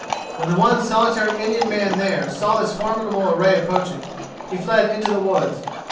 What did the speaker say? When the one solitary Indian man there saw this formidable array approaching he fled into the woods.